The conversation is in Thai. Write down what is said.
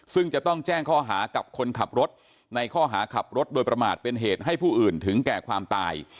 ซึ่งจะต้องแจ้งข้อหากับคนขับรถในข้อหาขับรถโดยประมาทเป็นเหตุให้ผู้อื่นถึงแก่ความตาย